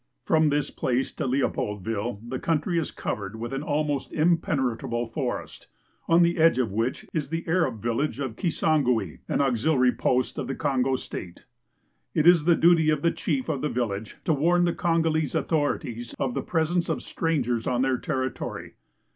From this place to Leopoldville the countr}^ is covered with an almost impene trable forest, on the edge of which is the Arab village of Kissangue, an auxiliary post of the Kongo State. It is the duty of the chief of the vil lage to warn the Kongolese authorities of the presence of strangers on their territory.